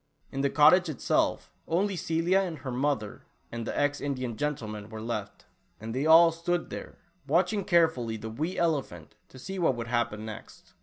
In the cottage itself, only Celia and her mother and the ex Indian gentleman were left, and they all stood there, watching carefully the wee elephant, to see what would happen next.